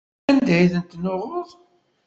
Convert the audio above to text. Anda ay tent-tennuɣeḍ?